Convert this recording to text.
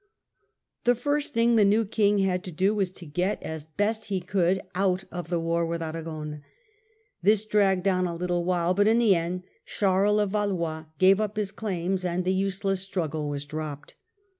Xa'cr^n^^' The first thing the new King had to do was to get as FRENCH HISTORY, 1273 1328 53 best he could out of the war with Aragon. This dragged on a httle while, but in the end Charles of Valois gave up his claims, and the useless struggle was dropped.